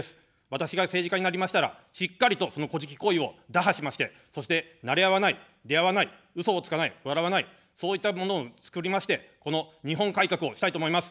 私が政治家になりましたら、しっかりと、そのこじき行為を打破しまして、そして、なれ合わない、出会わない、うそをつかない、笑わない、そういったものを作りまして、この日本改革をしたいと思います。